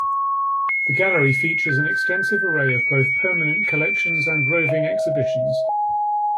The gallery features an extensive array of both permanent collections and roving exhibitions.